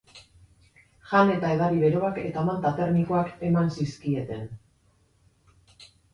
Jan eta edari beroak eta manta termikoak eman zizkieten.